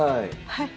はい。